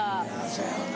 そやよな。